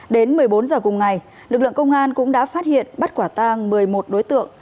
đến một mươi bốn h cùng ngày lực lượng công an cũng đã phát hiện bắt quả tang một mươi một đối tượng